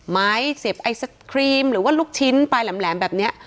ไม้เสพไอซักครีมหรือว่าลูกชิ้นปลายแหลมแหลมแบบเนี้ย